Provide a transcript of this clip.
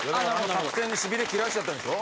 作戦にしびれ切らしちゃったんでしょ？